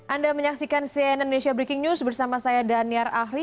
anda menyaksikan cnn indonesia breaking news bersama saya daniar ahri